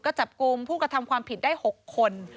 ก็จับกลุ่มผู้กระทำความผิดได้๖คน